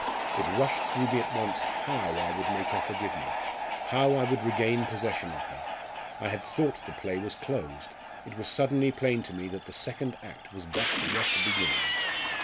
It rushed through me at once how I would make her forgive me how I would regain possession of her. I had thought the play was closed: it was suddenly plain to me that the second act was but just beginning.